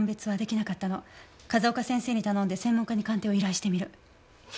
風丘先生に頼んで専門家に鑑定を依頼してみる。